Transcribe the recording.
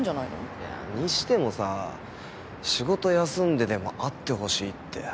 いや。にしてもさ仕事休んででも会ってほしいって。